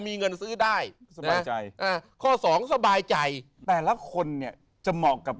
มีเงินซื้อได้สบายใจอ่าข้อสองสบายใจแต่ละคนเนี่ยจะเหมาะกับ